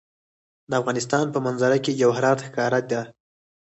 د افغانستان په منظره کې جواهرات ښکاره ده.